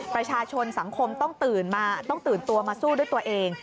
ประชาชนสังคมต้องตื่นมาต้องตื่นตัวมาสู้ด้วยตัวเอง